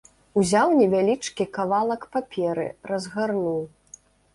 Узяў невялічкі кавалак паперы, разгарнуў.